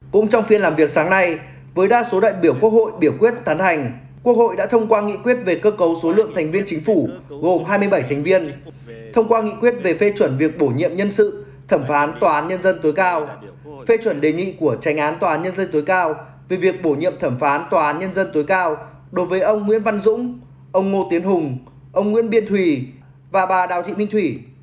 cũng trong phiên làm việc sáng nay với đa số đại biểu quốc hội biểu quyết thắn hành quốc hội đã thông qua nghị quyết về cơ cấu số lượng thành viên chính phủ gồm hai mươi bảy thành viên thông qua nghị quyết về phê chuẩn việc bổ nhiệm nhân sự thẩm phán tòa án nhân dân tối cao phê chuẩn đề nghị của tranh án tòa án nhân dân tối cao về việc bổ nhiệm thẩm phán tòa án nhân dân tối cao đối với ông nguyễn văn dũng ông ngô tiến hùng ông nguyễn biên thủy và bà đào thị minh thủy